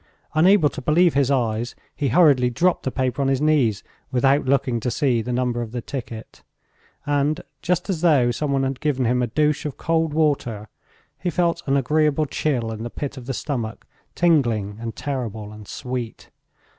Unable to believe his eyes, he hurriedly dropped the paper on his knees without looking to see the number of the ticket, and, just as though some one had given him a douche of cold water, he felt an agreeable chill in the pit of the stomach; tingling and terrible and sweet!